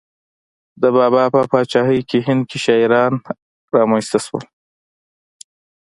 د بابا په پاچاهۍ کې هند کې شاعران را منځته شول.